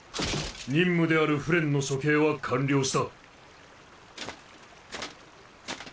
任務であるフレンの処刑は完了した。